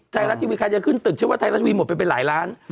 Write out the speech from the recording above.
ไทยรัฐทีวีใครจะขึ้นตึกเชื่อว่าไทยรัฐทีวีหมดไปเป็นหลายล้าน